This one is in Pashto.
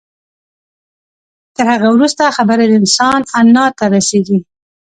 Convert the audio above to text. تر هغه وروسته خبره د انسان انا ته رسېږي.